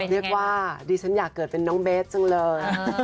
เรียกว่าดิฉันอยากเกิดเป็นน้องเบสจังเลย